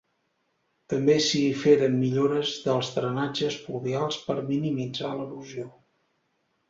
També s'hi feren millores dels drenatges pluvials per minimitzar l'erosió.